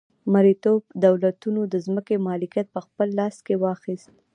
مرئیتوب دولتونو د ځمکې مالکیت په خپل لاس کې واخیست.